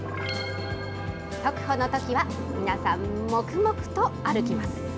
速歩のときは皆さん、黙々と歩きます。